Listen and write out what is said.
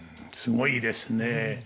すごいですね。